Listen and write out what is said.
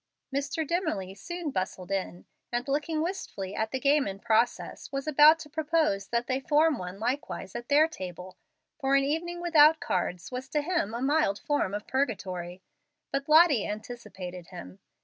Mr. Dimmerly soon bustled in, and, looking wistfully at the game in progress, was about to propose that they form one likewise at their table, for an evening without cards was to him a mild form of purgatory. But Lottie anticipated him.